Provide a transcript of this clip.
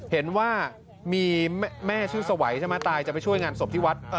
เห็นว่ามีแม่ชื่อสวัยใช่ไหมตายจะไปช่วยงานศพที่วัด